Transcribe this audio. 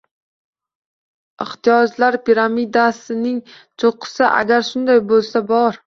Ehtiyojlar piramidasining cho'qqisi? Agar shunday bo'lsa, bor